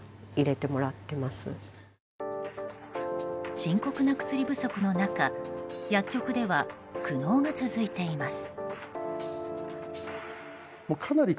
深刻な薬不足の中薬局では苦悩が続いています。